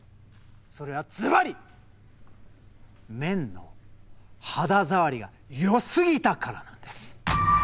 それはずばり綿の肌触りが良すぎたからなんです。